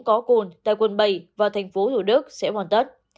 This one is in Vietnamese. có cồn tại quân bầy và tp hcm sẽ hoàn tất